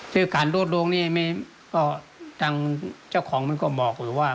ซึ่งการรวดลงนี่ก็ทางเจ้าของมันก็บอกว่า